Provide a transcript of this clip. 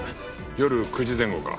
夜９時前後か。